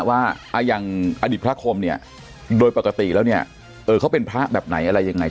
ว่าอย่างอดีตพระคมเนี่ยโดยปกติแล้วเนี่ยเออเขาเป็นพระแบบไหนอะไรยังไง